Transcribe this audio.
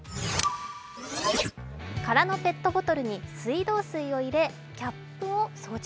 空のペットボトルに水道水を入れ、キャップを装着。